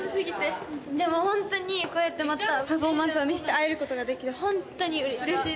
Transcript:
でもホントにこうやってまたパフォーマンスを見せて会えることができてホントにうれしい。